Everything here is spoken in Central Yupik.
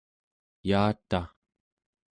yaataᵉ